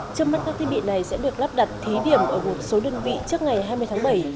trước mắt các thiết bị này sẽ được lắp đặt thí điểm ở một số đơn vị trước ngày hai mươi tháng bảy